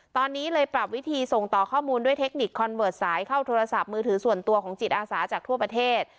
ตอนนี้เลยปรับวิธีส่งต่อข้อมูลด้วยเทคนิคคอนเวิร์ตสายเข้าโทรศัพท์มือถือส่วนตัวของจิตอาสาจากทั่วประเทศ